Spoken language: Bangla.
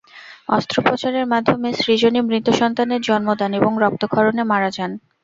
অস্ত্রোপচারের মাধ্যমে সজনী মৃত সন্তানের জন্ম দেন এবং রক্তক্ষরণে মারা যান।